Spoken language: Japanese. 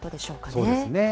そうですね。